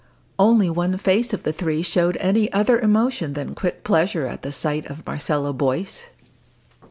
Only one face of the three showed any other emotion than quick pleasure at the sight of Marcella Boyce.